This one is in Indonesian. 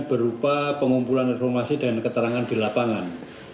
berupa pengumpulan informasi dan keterangan di lapangan